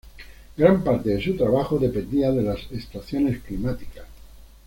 Gran parte de su trabajo dependía de las estaciones climáticas.